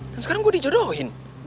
dan sekarang gue dijodohin